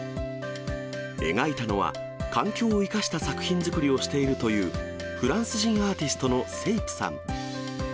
描いたのは、環境を生かした作品作りをしているという、フランス人アーティストのセイプさん。